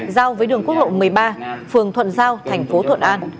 giao với đường quốc lộ một mươi ba phường thuận giao thành phố thuận an